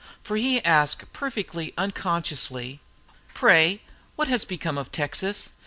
For he asked perfectly unconsciously. "Pray, what has become of Texas?